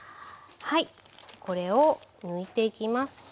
はいこれを抜いていきます。